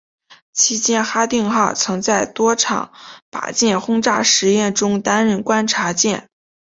期间哈定号曾在多场靶舰轰炸实验中担任观察舰。